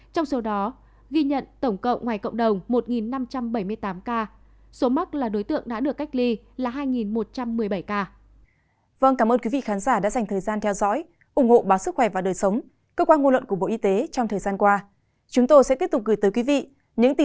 trong số đó ghi nhận tổng cộng ngoài cộng đồng